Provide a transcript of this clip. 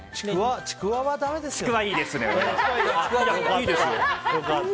ちくわ、いいですね。